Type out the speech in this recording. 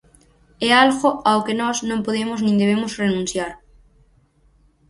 É algo ao que nós non podemos nin debemos renunciar.